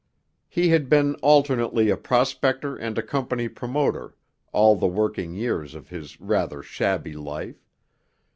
He had been alternately a prospector and a company promoter all the working years of his rather shabby life.